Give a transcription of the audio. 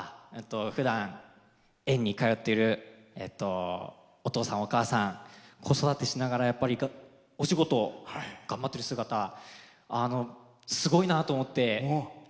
ふだん、園に通っているお父さん、お母さん子育てしながら、お仕事頑張ってる姿すごいなと思って。